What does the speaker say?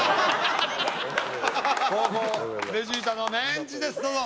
後攻ベジータのメンチですどうぞ。